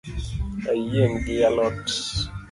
Ayieng’ gi a lot